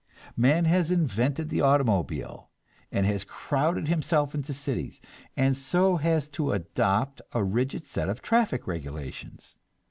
Man has invented the automobile and has crowded himself into cities, and so has to adopt a rigid set of traffic regulations.